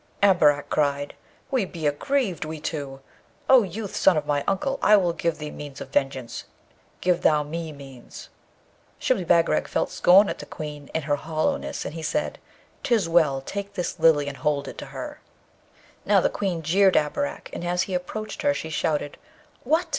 Abarak cried, 'We be aggrieved, we two! O youth, son of my uncle, I will give thee means of vengeance; give thou me means.' Shibli Bagarag felt scorn at the Queen, and her hollowness, and he said, ''Tis well; take this Lily and hold it to her.' Now, the Queen jeered Abarak, and as he approached her she shouted, 'What!